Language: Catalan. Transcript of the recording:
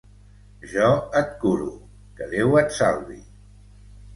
Jo et curo, que Déu et salvi.